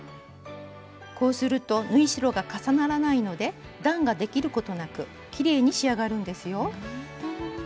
こうすると縫い代が重ならないので段ができることなくきれいに仕上がるんですよ。